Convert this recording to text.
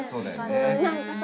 何かさ